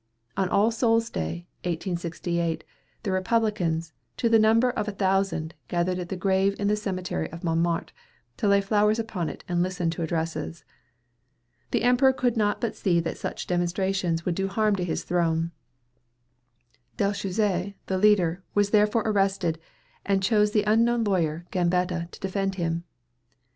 On All Soul's Day, 1868, the Republicans, to the number of a thousand, gathered at the grave in the cemetery of Montmartre, to lay flowers upon it and listen to addresses. The Emperor could not but see that such demonstrations would do harm to his throne. Dellschuzes, the leader, was therefore arrested, and chose the unknown lawyer, Gambetta, to defend him.